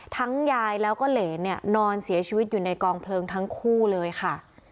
ยายแล้วก็เหรนเนี่ยนอนเสียชีวิตอยู่ในกองเพลิงทั้งคู่เลยค่ะ